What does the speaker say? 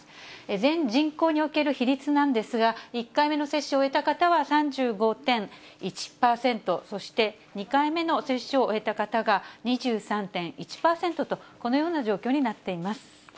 全人口における比率なんですが、１回目の接種を終えた方は３５．１％、そして２回目の接種を終えた方が２３．１％と、このような状況になっています。